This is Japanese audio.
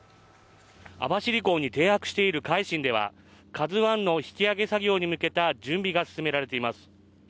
網走港に停泊している「海進」では引き揚げ作業に向けた準備が進んでいます。